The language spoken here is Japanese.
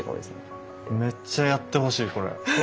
めっちゃやってほしいこれ。